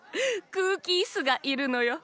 くうきイスがいるのよ。